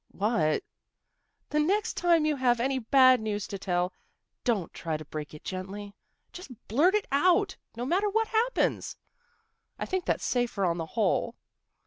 " What? "" The next time you have any bad news to tell, don't try to break it gently. Just blurt it out, no matter what happens. I think that's safer, on the whole."